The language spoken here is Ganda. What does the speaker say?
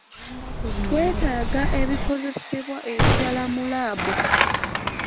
Twetaaga ebikozesebwa ebirala mu laabu.